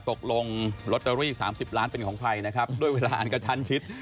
ตกลงลอตเตอรี่๓๐ล้านเป็นของใครนะครับด้วยเวลาอันกระชั้นชิด